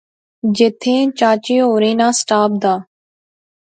جتھے چاچے اوریں ناں سٹاپ دا